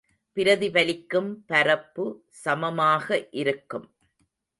பிரதிபலிக்கும் பரப்பு சமமாக இருக்கும்.